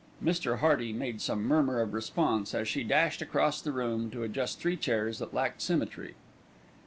Mr. Hearty made some murmur of response as he dashed across the room to adjust three chairs that lacked symmetry.